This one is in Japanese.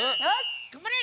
がんばれ！